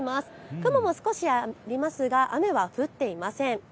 雲も少しありますが雨は降っていません。